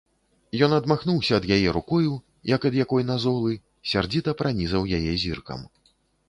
Ён адмахнуўся ад яе рукою, як ад якой назолы, сярдзіта пранізаў яе зіркам.